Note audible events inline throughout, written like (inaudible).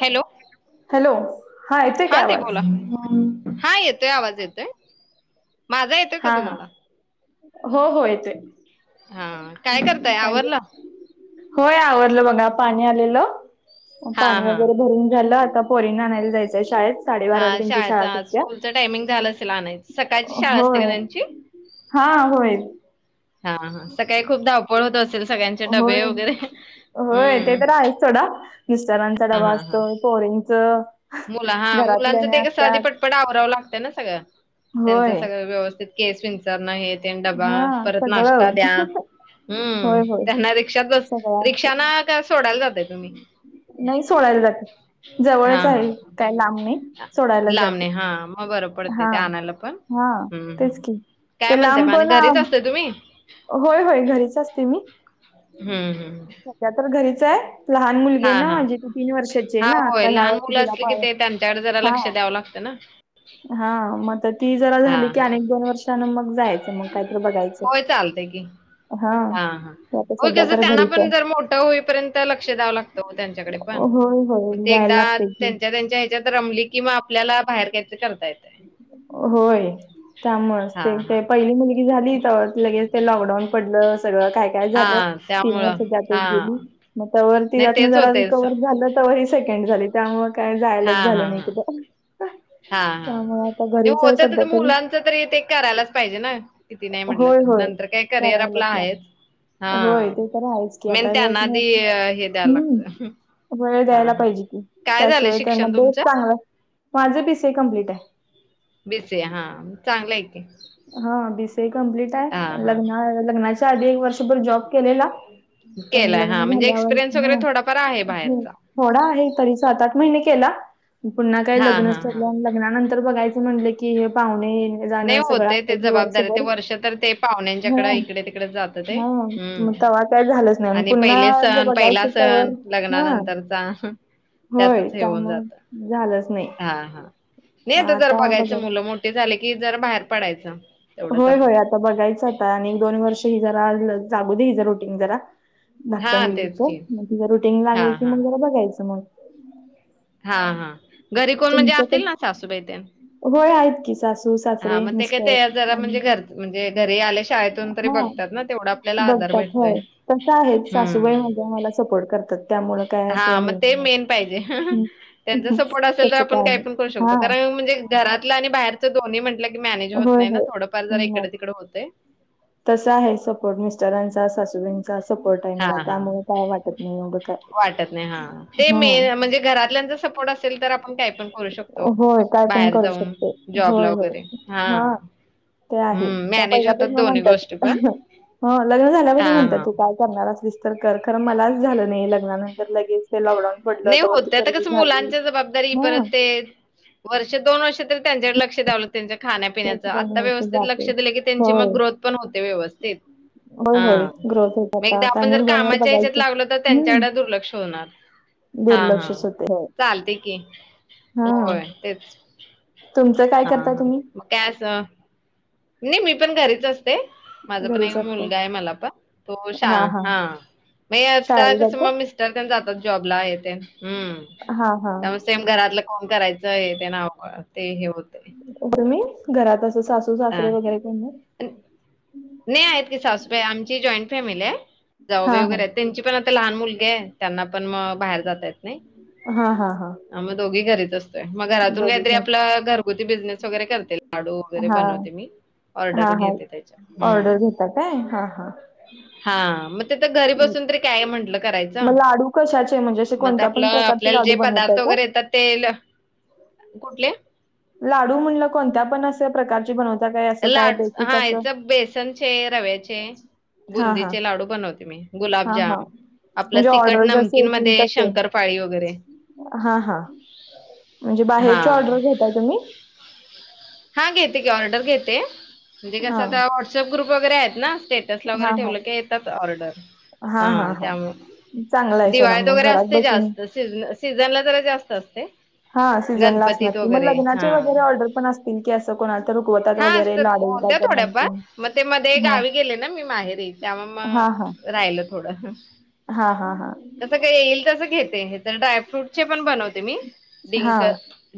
Hello! Hello! येतोय काय हा ताई आवाज बोला. हा येतोय आवाज येतोय माझा येतोय का हा हा तुम्हाला? हो हो येतोय हा काय करताय काय ग- आवरलं. होय आवरलं बघा, पाणी आलेलं हा पाणी हा वगैरे भरून झालं आता पोरीनां आणायला जायचं आहे शाळेत साडेबाराला हा त्यांची शाळा शाळेचा सुटत्या, स्कूलचं टायमिंग झालं असेल आणायच सकाळची अह शाळा असते होय. का त्यांची हा होय. हा हा हा, सकाळी खूप धावपळ होत असेल. सगळ्यांचे होय, डबे वगैरे होय ते हम्म तर आहेच सोडा. मिस्टरांचा डबा असतोय पोरीचं मुला हा मुलांचं ते कस आधी पटपट आवरावं लागतंय ना सगळं त्यांचं होय सगळं व्यवस्थित केस विचरंन, हे तेण डबा, हा परत सगळं नाश्ता द्या. हम्म, होय होय त्यांना रिक्षात बस सगळं असतं रिक्षानं का सोडायला जाताय तुम्ही? नाही सोडायला जाते. हा जवळच आहे हा काय लांब नाही. सोडायला लांबणे जाते. हा, मग बरं पडते हा ते आणायला पण. हा हम्म तेच हम्म. की काय ते म्हणते मग लांब आणि पण. घरीच असते तुम्ही होय होय, घरीच असते मी. हम्म हम्म. सध्या तर घरीच आहे. लहान मुलगी हा आहे ना हा माझी म्हणजे ती तीन वर्षाची आहे हा ना होय आता. ह्या लहान वर्षी मुलं तिला असली पा की ते त्यांच्याकडे जरा हा लक्ष द्यावं लागतं ना हा, मग आता ती जरा हा झाली की, हा अनेक दोन वर्षान मग जायचं, मग काहीतर बघायचं. होय, चालतंय की. हा हा, ते आता होय. सध्या कसं तर त्यांना घरीच पण जरा आहे मोठं होईपर्यंत लक्ष द्यावं लागत. ओ त्यांच्याकडे पण होय होय मग ते द्यायला एकदा लागते की त्यांच्या त्या त्यांच्या ह्याच्यात रमली की, म आपल्याला बाहेर काय तर करता येतंय. होय, हा त्यामुळंचं हा ते पहिली मुलगी झाली लगेच ते लॉकडाऊन पडलं. सगळं काय काय झालं. हा तीन त्यामुळं वर्ष त्यातंच हा गेली. म तवर नाही तिज्यातंन तेच जरा होतेच रिकव्हर झालं तवर ही सेकंड झाली, त्यामुळं काय हा जायलाच झालं हा नाही हा कुठं. हा हा, त्यामुळे आता नाही घरीच आहे होतातच सध्या तरी मुलांच तरी ते करायलाच पाहिजे ना. किती नाही म्हटलं होय तरी, होय नंतर काय करिअर आपलं करायलाच आहेच. लागत होय, हा ते तर आहेच की. मेन आता हेच त्यांना आधी नाही. हे द्यायला हम्म. लागतं वेळ हा द्यायला हा पाहिजे की, काय झालं त्याशिवाय त्यांना शिक्षण बोध तुमचं चांगलं माझं बी सी ए कम्प्लीट आहे. बी सी ए हा चांगलंय की. हा, बी सी ए कंप्लीट आहे. हा हा लग् लग्नाच्या आधी एक वर्षभर जॉब केलेला, पण केलाय हा लग्न म्हणजे झाल्यावर एक्सपिरियन्स वगैरे ना थोडाफार आहे बाहेरचा थोडा आहे तरी, सात, आठ महिने केला. पुन्हा काय हा लग्न हा हा ठरल्या लग्नानंतर बघायचं म्हटलं की, हे पाहुणे येणं जाणं नाही हे सगळं असतंय की. होतय ते जबाबदारी ते वर्षभर वर्ष तर ते पाहुण्यांच्याकड हां, इकडे तिकडे जात ते हां. मग तेव्हा काय झालंच नाही आणि पुन्हा पहिले जे सण, पहिला बघायचं सण तोवर हां, लग्नानंतरचा होय. त्यातच हे होऊन जात. त्यामुळं झालंच नाही. हा हा, नाही मग आता जरा बघायचं बघा मुलं मोठे झाले की, जरा बाहेर पडायचं. तेवढंच होय होय, आपलं आता बघायचं. आता आणि एक, दोन वर्ष. ही जरा लागू दे हिच रुटीन जरा धाकट्या हा मुलगीच, तेच की मग तिच रुटीन हा लागलं की, हा मग जरा बघायचं मग. हा हा. घरी कोण म्हणजे तुमचं असतील कसं ना, सासूबाई त्या होय, आहेत की. सासू, सासरे, मिस्टर. आणि खरं म्हणजे घरी आले शाळेतून तरी हां, बघतात ना, तेवढा आपल्याला आधार बघतात. भेटतो. होय, तसं आहे. सासूबाई माझ्या मला सपोर्ट करतात. त्यामुळं काय असं हा, मग हे ते नाही. मेन पाहिजे. हं. त्यांचा सपोर्ट असेल तर, तसं आपण काय नाही. पण करू शकतो, हां. कारण म्हणजे घरातलं आणि बाहेरचं दोन्ही म्हटलं की, मॅनेज होत होय, नाही ना, होय. थोडंफार जरा इकडं तिकडं होतय. तसा आहे सपोर्ट मिस्टरांचा, सासूबाईंचा. सपोर्ट आहे हां, मला, हां. त्यामुळे काय वाटत नाही एवढं काय. वाटत नाही हां. ते हं मेन म्हणजे घरातल्यांचा सपोर्ट असेल तर, आपण काही पण करू शकतो. ओ होय काय पण बाहेर करू जाऊन शकते होय जॉबला होय वगैरे. हा ते आहे. त्या पहिल्यापासून म्हणतात. गोष्टी पण. लग्न झाल्यापासून हां, म्हणतात हां. तू काय करणार असलीस तर कर. खरं, मलाच झालं नाही लग्नानंतर लगेच ते लॉकडाऊन पडलं नाही त्यावरती होत, आता पोरगी कसं झाली मुलांच्या जबाबदारी परत हा ते वर्ष, दोन वर्ष तरी त्यांच्याकडे लक्ष द्याव लागतं त्यांच्या खाण्यापिण्याच त्याची दोन आता वर्ष व्यवस्थित जाते लक्ष दिलं की त्यांची होय मग ग्रोथ पण होते व्यवस्थित. होय हा होय ग्रोथ होत मग आता एकदा आता आपण आणि जर एक दोन वर कामाच्या ह्याच्यात बघायचं लागलो तर, हम्म त्यांच्याकडे दुर्लक्ष होणार. हा, हा दुर्लक्षच होते होय चालतयं की, हा होय. तेच तुमचं काय हा करता हा तुम्ही मग काय असं? नाही, मी पण घरीच असते. माझा पण एक घरीच असताय मुलगा आहे मला पण तो शा हा मग हे आता शाळेत कसं जाता म तर जातात जॉबला येतेन हम्म हा हा त्यामुळे सेम घरातलं कोण करायचं हे ते हे होते. तुम्ही घरात असं सासू, हा सासरे वगैरे कोणी नाही? नाही आहेत की सासुबाई, आमची जॉईंट फॅमिली आहे हा जावूबाई हा वगैरे आहेत. त्यांची पण आता लहान मुलगी आहे त्यांना पण मग बाहेर जात येत नाही. हा हा हा ह मग दोघी घरीच असतोय, मग घरातून काहीतरी बरोबर आपला घरगुती बिझनेस वगैरे करते लाडू वगैरे हा बनवते मी. हा ऑर्डर हा घेते त्याच्या, ऑर्डर हम्म घेता काय हा हा हा मग घरी बसून तरी काय म्हटलं करायचं मग लाडू कशाचे म्हणजे असे मग कोणत्या आपलं पण प्रकारचे आपल्याला लाडू जे बनवताय पदार्थ का वगैरे येतात ते कुठले? लाडू म्हणलं कोणत्या पण असं प्रकारची बनवत? लाडू हयाच बेसनचे, रव्याचे हा हा बुंदीचे लाडू बनवते मी, हा गुलाबजाम हा आपलं म्हणजे तिखट ऑर्डर जसे नमकीन येतील मध्ये तसे शंकरपाळी वगैरे हा हा. म्हणजे हा बाहेरची ऑर्डर घेता तुम्ही? हा घेते की, ऑर्डर घेते म्हणजे हा कसं आता व्हॉट्सअप ग्रुप वगैरे आहेत ना स्टेट स्टेटसला हा वगैरे हा ठेवल की येतात ऑर्डर हा चांगला त्यामुळे आहे सोडा दिवाळीत मग वगैरे घरात असते बसून जास्त स सीझनला जरा जास्त असते. हा सीझन ला असणार गणपतीत की, मग वगैरे लग्नाचे हा वगैरे ऑर्डर पण असते हा असतात होत्या गाजर, थोड्याफार नमकीन. मग ते मध्ये हां. गावी गेले ना मी माहेरी त्यामुळे मग राहिलं थोडं हा हा हा जसं काय येईल तसं घेते. हे तर ड्रायफ्रूट चे पण बनवते मी. डिंक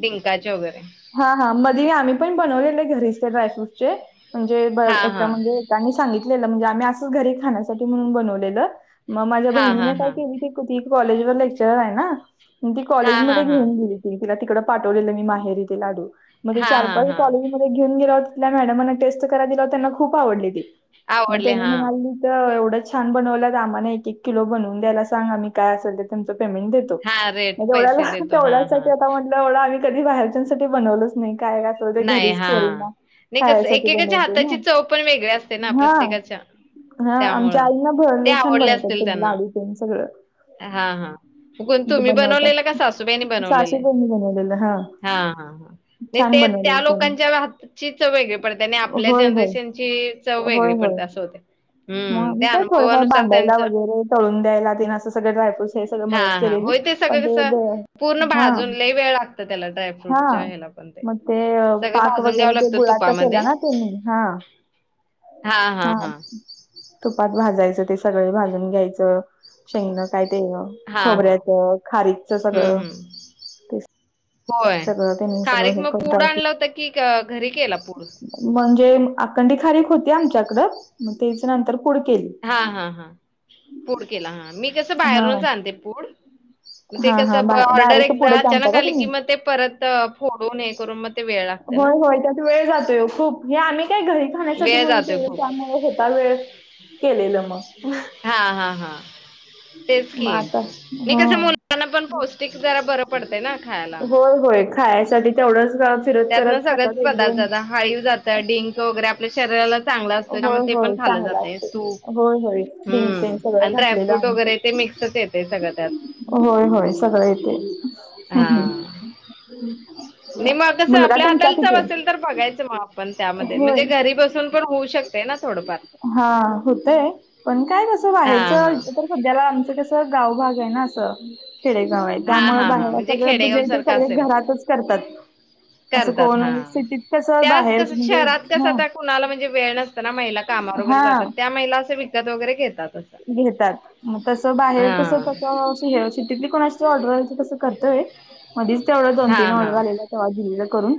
डिंकाचे वगैरे हा हा मधे आम्ही पण बनवलेले घरीच ते ड्रायफ्रूटचे म्हणजे ब हा एका हा म्हणजे त्यांनी सांगितलेलं म्हणजे आम्ही असंच घरी खाण्यासाठी म्हणून बनवलेलं मग माझ्या हा हा बहिणीने काय हा केली ते कॉलेज वर लेक्चरर आहे ना ती हा हा कॉलेजमध्ये हा घेऊन गेली मग तिला तिकडे पाठवलेलं माहेरी ते लाडू हा चार हा पाच हा कॉलेजमध्ये ते घेऊन गेले मग टेस्ट करा दिल्यावर खूप आवडले ते आवडले त्यांनी हा म्हणाले कि एवढंच छान बनवलं आम्हा एक किलो बनवून दयायला सांग आम्ही काय असेल तर तुमचं पेमेंट देतो. हा रेट पैसे देतो हा हा तेवढ्यासाठी आ म्हटलं एवढं आम्ही कधी बाहेरच्यासाठी बनवलच नाही काय ते नाही घरीच हा पोरींना नाही कसं खायसाठी एकेकाच्या बनवते ना हाताची चव पण वेगळी असते ना हा प्रत्येकाच्या हा आमच्या त्यामुळं आईना ते भरले छान आवडले बनवतात असतील त्यांनी त्यांना लाडू तेन सगळं हा हा कोन ते तुम्ही बनवलेलं बनवतात. का सासू? तुम्ही आणि बनवलेलं सासूबाईंनी बनवलेलं हां हा हा हा हे छान ते, त्या बनवलेलं त्यांनी. लोकांच्या हात ची सवय काय? पण त्याने आपल्या होय, होय. जनरेशनची चव होय, वेगळी होय. पडते, असं होते. हम्म मग मी त्या पण थोडंफार अनुभवानुसार बांधायला त्यांचं वगेरे, तळून द्यायला दिन असे सगळे ड्रायफ्रूट्स. ते सगळं हा मदत हा केलेली, होय ते पण सगळं हे कसं बघ पूर्ण भाजून लई वेळ लागतं त्याला ड्रायफ्रूटच्या हां. ह्याला पण ते- मग अ, सै पाक वगरे ते गुळाचा केला ना तुम्ही? हा, हा तुपात भाजायचं ते सगळे भाजून घ्यायचं. शेंगणं काय तेणं, हा हा खोबऱ्याचं, खारीकचं सगळं ते (unintelligible) होय, सगळं त्यांनी सगळं खारीक हे मग करून पुड ड्रायफ्रूट आणलंवतं की घरी केला पूड? म्हणजे आकंडी खारीक होती आमच्याकडं मग तेच नंतर पुुड केली. हा हा हा पूड केला हा, मी कसं हां बाहेरूनच आणते पूड मग ते हां हां कसं बा ऑर्डर डायरेक्ट एकदा पुडच आणता अचानक का आली की तुम्ही? मग ते परत तं फोडून ए करून मग ते वेळ लागतं. होय होय त्यात वेळ जातोय खूप, हे आनि काय घरी खाण्यासाठी वेळ म्हणून जातोय केलं खूप त्यामुळे होता वेळ, केलेलं मग. अह्ह हा हा हा. तेच की, मग आता हे कसं ना हं. मोजकांना पण पौष्टिक जरा बरं पडतं ना खायला. होय होय खायसाठी तेवढंच फिरत करत त्यातनं सगळंच खातात पदार्थ एकदोम. जातात हाळीव जाताय डिंक वगेरे आपल्या शरीराला चांगला असतंय होय, त्यामुळे ते पण होय. खाल्ल चांगलं जातंय, असतंय. तूप, होय, होय. डिंक हम्म, तेन सगळं आणि घातलेलं ड्रायफ्रूड आमचं. वगेरे ते मिक्सच येत ते सगळं त्यात होय होय सगळं येतंय. हहम्. मी मग कसं आपल्या हाताला चव आहे? असेल तर भघायचं मग आपण त्यामध्ये म्हणजे होय. घरी बसून पण होऊ शक-प दे ना थोड फा हा होतंय, पण काय तसं हा व्हायचं हा. इथ पण सध्याला आमचं कसं? गावभागय ना असं. खेडेगावय, हा त्यामुळे हा हा बाहेर म्हणजे सगळं खेडेगाव पूजे ते सारखा सगळे असेल घरातच करतात. असं करतात कोण, हा. सिटीत कसं त्याच बाहेर कसं म्जे शहरात कसं हं आता कुणाला म्हणजे वेळ नसतं ना, महिला कामावर वगरे जातात त्या महिला असे विकत वगरे घेतात. असं. घेतात. तसं बाहेर तसं हा त सिटीत कोणा ऑर्डरयचं कसं करतंय, मधीच तेवढा दोन हा तीन हा ऑर्डर आलेल्या तव्हा घेलेलं करून.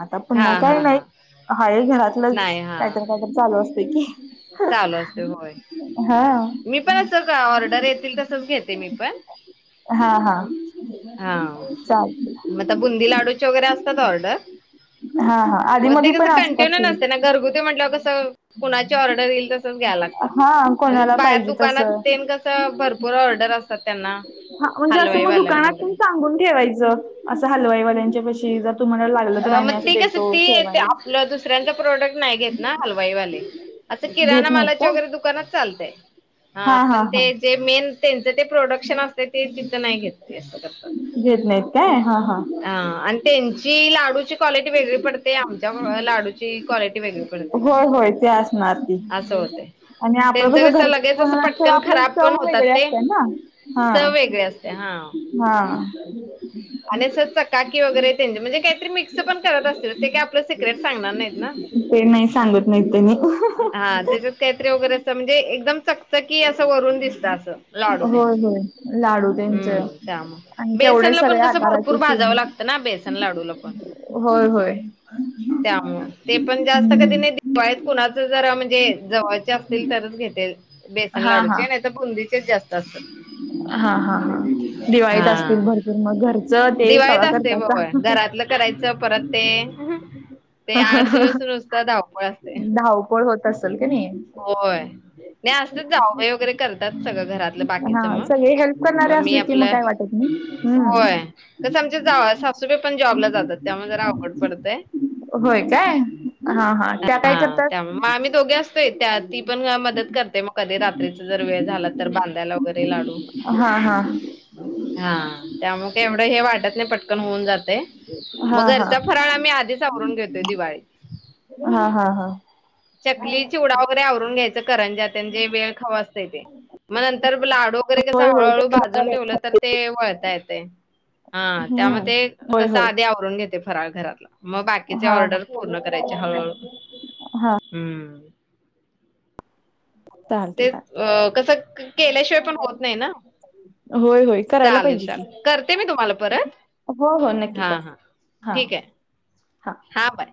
आता पुन्हा हा हा काय नायी, हा हाय घरातलंच नाही हा कायतरी कायतरी चालू असतंय की. चालू असे होय, हा मी पण असंच ऑर्डर येतील तसंच घेते मी पण. हा हा. हा, चाल म आता बुंदी लाडूच्या वगरे असतात ऑर्डर. हा हा आधी म ते मधी पण कसं असतात कंटिन्यू नसते ना, की घरगुती म्हटल्यावर कसं? कुणाची ऑर्डर येईल त घ्या लागतं, हा म्हणजे कोणाला बाहेर पाहिजे तसं दुकानात तेन कसं भरपूर ऑर्डर असतात त्यांना हा, म्हणजे असं म हलवाईवाल्यांना दुकानात वगैरे. पण सांगून ठेवायचं असं हलवाईवाल्यांच्या पशी ज् अ मग ती कसं, ती ते आपलं दुसऱ्यांचं प्रोडक्ट नाही घेत ना हलवाईवाले. आता किराणा घेत नाहीत मालाच्या का वगरे दुकानात चालतंय, हा पण ते, ते मेन त्येनचं ते प्रोडक्शन असतंय ते तिथं नाही घेत ते तसं. घेत नाहीत काय हा हा, आन त्यांची लाडूची क्वालिटी वेगळी पडते, आमच्या भवा लाडूची क्वालिटी वेगळी पडते. होय होय ते असणार ती असं होतंय. आणि आपलं तेचं कसं घरगुती लगेचसं बनवलं तर पटकन आपल्याला खराब पण चव होतात वेगळे ते. असते ना हा चव वेगळी असत्या हा हा आणि अस चकाकी वगैरे. म्हणजे काहीतरी मिक्स पण करत असतील ते काही आपलं सिक्रेट सांगणार नाहीत ना. ते नाही सांगत नाही त त्यांनी (inaudible) हा त्याच्यात काहीतरी वगैरे असं म्हणजे एकदम चकचकी असं वरून दिसत असं लाडू त्यांच होय होय लाडू त्यांच हम्म त्यामुळे. आणि तेवढे बेसनला पण सगळे कसं भरपूर आकाराचे भाजावं सेम लागतं ना बे - लाडूला पण होय होय त्यामुळं ते पण जास्त कधी हम्म (inaudible) कुणाच जर म्हणजे जवळचे असतील तरच घेते बेसन हा हा लाडूचे नाही - बुंदीचेच जास्त असतात. हा हा हा दिवाळीत असतील हा भरपूर मग घरचं ते दिवाळीत कव्हा असते करतासा. होय घरातलं करायचं परत ते ते आठ दिवस नुसत धावपळ असते. (unintelligible) होत असेल क नाही. होय नाही असत जावबाई वगैरे करतात. सगळं घरातलं हा बाकीच मग, सगळे हेल्प करणारे मग मी असले की मग आपलं काय वाटत नाही होय. हम्म कस आमच्या जा सासूबाई पण जॉबला जातात त्यामुळे जरा अवघड पडतंय. होय काय हा हा त्या काय हा करतात. त्यामुळे मग आम्ही दोघे असतोय त्या ती पण मदत करते मग कधी रात्रीचं जर वेळ झाला तर बांधायला वगैरे लाडू. हा हा. हा त्यामुळे काय एवढं हे वाटत नाही पटकन होऊन जातंय. हा मग हा घरचा फराळ आम्ही आधीच आवरून घेतोय दिवाळी. हा हा हा चकली चिवडा - (inaudible) आवरून घ्यायचं करंज्या तेन जे वेळ खावं असतंय ते मग नंतर लाडू वगैरे कस होय होय हळूहळू भाजून ते ठेवलं तर ते वळता येतंय. हा हम्म त्यामध्ये ते होय तस होय आधी आवरून घेते फराळ घरातला. मग बाकीचे हा ऑर्डर हा पूर्ण करायचे हळूहळू हा हम्म. चालते तेच चालते अ कस केल्याशिवाय पण होत नाही ना. होय होय करायला चालेल पाहिजे की चालेल करते मी तुम्हाला परत. हो हो नक्की हा करा हा हा. ठीक आहे हा बाय.